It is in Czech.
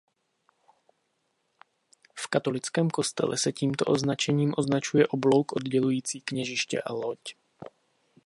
V katolickém kostele se tímto označením označuje oblouk oddělující kněžiště a loď.